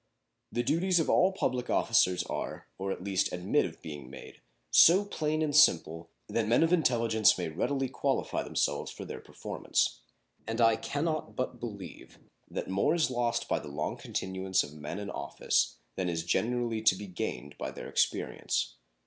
The duties of all public officers are, or at least admit of being made, so plain and simple that men of intelligence may readily qualify themselves for their performance; and I can not but believe that more is lost by the long continuance of men in office than is generally to be gained by their experience.